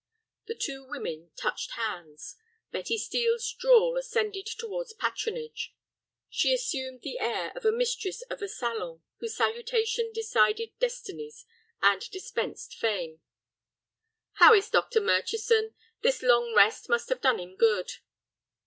The two women touched hands. Betty Steel's drawl ascended towards patronage. She assumed the air of a mistress of a salon whose salutation decided destinies and dispensed fame. "How is Dr. Murchison? This long rest must have done him good."